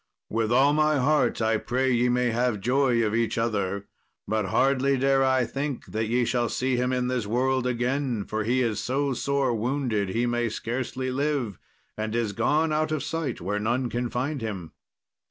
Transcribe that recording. With all my heart I pray ye may have joy of each other, but hardly dare I think that ye shall see him in this world again, for he is so sore wounded he may scarcely live, and is gone out of sight where none can find him."